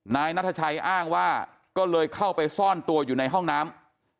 นายนัทชัยอ้างว่าก็เลยเข้าไปซ่อนตัวอยู่ในห้องน้ำ